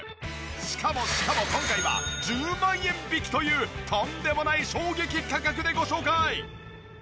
しかもしかも今回は１０万円引きというとんでもない衝撃価格でご紹介！